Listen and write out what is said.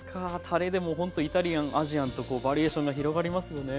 たれでもほんとイタリアンアジアンとバリエーションが広がりますよね。